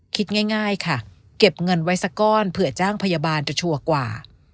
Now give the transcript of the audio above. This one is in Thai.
คิดง่ายค่ะเก็บเงินไว้สักก้อนเผื่อจ้างพยาบาลจะชัวร์กว่า